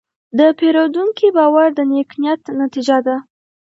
د پیرودونکي باور د نیک نیت نتیجه ده.